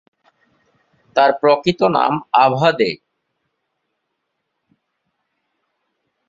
তার প্রকৃত নাম আভা দে।